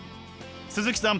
鈴木さん